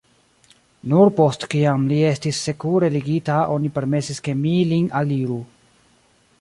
Nur post kiam li estis sekure ligita oni permesis ke mi lin aliru.